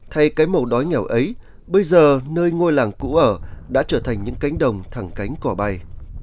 thay cái màu đói nghèo ấy bây giờ nơi ngôi làng cũ ở đã trở thành những cánh đồng thẳng cánh cỏ bay